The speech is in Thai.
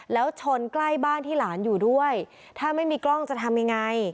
แล้วชนใกล้บ้านที่หลานอยู่ด้วยถ้าไม่มีกล้องจะทำยังไง